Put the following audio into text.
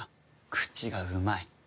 口がうまい。